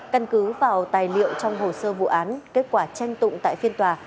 căn cứ vào tài liệu trong hồ sơ vụ án kết quả tranh tụng tại phiên tòa